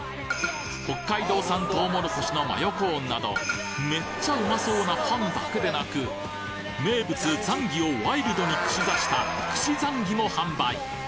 北海道産とうもろこしのマヨコーンなどめっちゃうまそうなパンだけでなく名物ザンギをワイルドに串刺したも販売